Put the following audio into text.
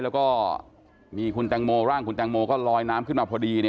แล้วก็มีคุณแตงโมร่างคุณแตงโมก็ลอยน้ำขึ้นมาพอดี